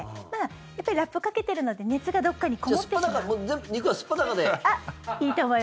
やっぱりラップかけているので熱がどっかにこもってしまう。